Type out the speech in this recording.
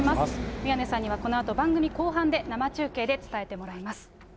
宮根さんにはこのあと番組後半で生中継で伝えてもらいます。